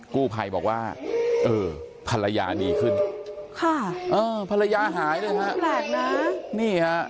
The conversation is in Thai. กู้ภัยบอกว่าเออภรรยานี่ขึ้นค่ะเออภรรยาหายด้วยฮะนี่ฮะ